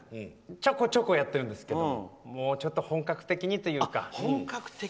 ちょこちょことやってるんですけどもうちょっと本格的にというか。